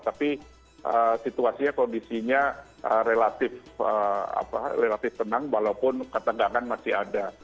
tapi situasinya kondisinya relatif tenang walaupun ketegangan masih ada